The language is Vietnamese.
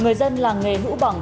người dân làng nghề lũ bằng